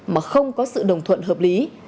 mà không có sự đồng thuận hợp lý